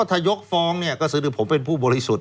ถ้ายกฟ้องก็สือถือผมเป็นผู้บริสุทธิ์